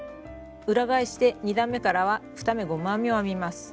裏返して２段めからは２目ゴム編みを編みます。